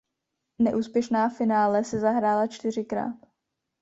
Neúspěšná finále si zahrála čtyřikrát.